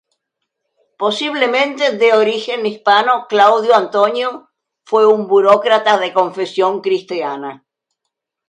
Posiblemente de origen hispano Claudio Antonio fue un burócrata de confesión cristiana.